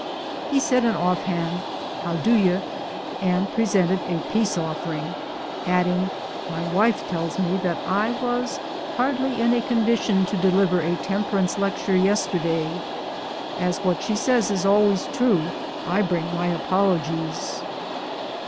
He said an off hand "How d'ye?" and presented a peace offering, adding, "My wife tells me that I was hardly in a condition to deliver a temperance lecture yesterday. As what she says is always true, I bring my apologies."